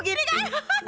oh gini kan